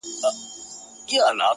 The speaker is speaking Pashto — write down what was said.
په تدبيرونو کي دې هر وختې تقدير ورک دی!